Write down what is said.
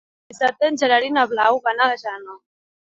Dissabte en Gerard i na Blau van a la Jana.